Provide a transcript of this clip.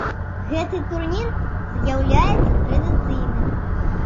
Гэты турнір з'яўляецца традыцыйным.